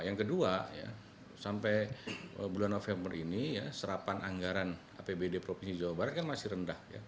yang kedua sampai bulan november ini serapan anggaran apbd provinsi jawa barat kan masih rendah